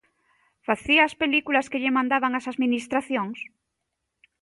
¿Facía as películas que lle mandaban as administracións?